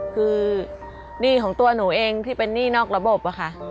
คือหนี้ของตัวหนูเองที่เป็นหนี้นอกระบบอะค่ะ